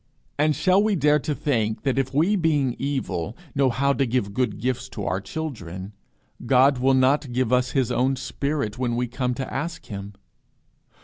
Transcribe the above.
And shall we dare to think that if we being evil know how to give good gifts to our children, God will not give us his own spirit when we come to ask him?